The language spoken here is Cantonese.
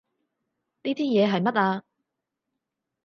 呢支嘢係乜啊？